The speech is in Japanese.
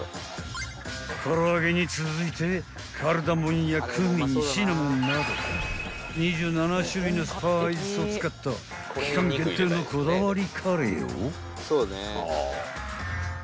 ［から揚げに続いてカルダモンやクミンシナモンなど２７種類のスパイスを使った期間限定のこだわりカレーを］